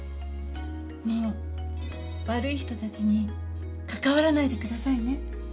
もう悪い人たちに関わらないでくださいね